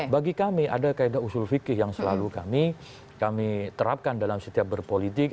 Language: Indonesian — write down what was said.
bagi kami ada kaedah usul fikih yang selalu kami terapkan dalam setiap berpolitik